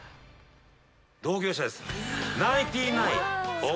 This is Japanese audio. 同業者です。